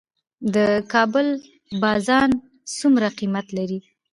د کابل بازان څومره قیمت لري؟